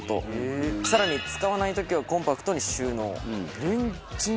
更に使わない時はコンパクトに収納。